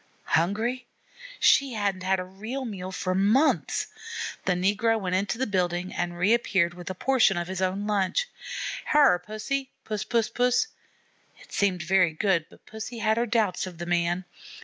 Hungry! She hadn't had a real meal for months. The negro went into the building and reappeared with a portion of his own lunch. "Hyar, Pussy, Puss, Puss, Puss!" It seemed very good, but Pussy had her doubts of the man.